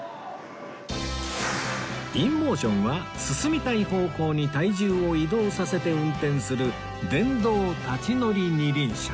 ＩＮＭＯＴＩＯＮ は進みたい方向に体重を移動させて運転する電動立ち乗り２輪車